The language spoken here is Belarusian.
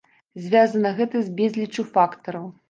Звязана гэта з безліччу фактараў.